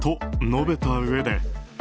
と、述べたうえで。